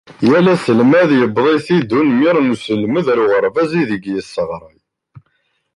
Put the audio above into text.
Yal aselmad yewweḍ-it umnir n uselmed ar uɣerbaz ideg yesseɣray.